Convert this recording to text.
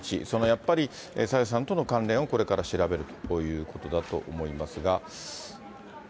やっぱり、朝芽さんとの関連をこれから調べるということだと思いますが。